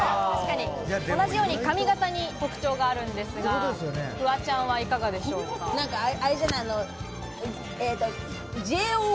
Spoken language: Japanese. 同じように髪形に特徴があるんですが、フワちゃんは、いかがでしょうか？